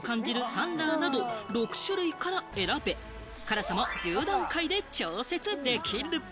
サンラーなど６種類から選べ、辛さも１０段階で調節できる。